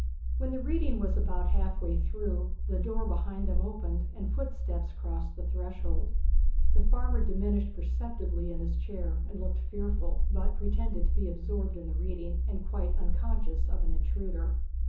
When the reading was about half way through, the door behind them opened, and footsteps crossed the threshold. The farmer diminished perceptibly in his chair, and looked fearful, but pretended to be absorbed in the reading, and quite unconscious of an intruder.